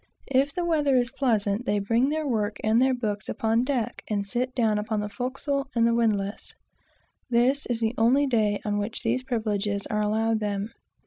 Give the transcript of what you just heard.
If the weather is pleasant, they bring their work and their books upon deck, and sit down upon the forecastle and windlass. This is the only day on which these privileges are allowed them.